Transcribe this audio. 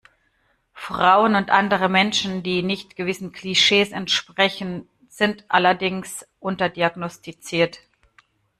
Frauen und andere Menschen, die nicht gewissen Klischees entsprechen, sind allerdings unterdiagnostiziert.